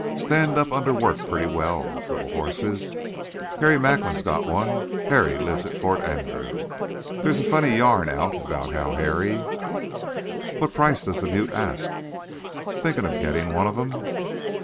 Stand up under work pretty well, those little hosses. Harry Macklin has got one. Harry lives at Fort Andrew. There's a funny yarn out about how Harry " "What price does the mute ask?" "Thinking of getting one of 'em?"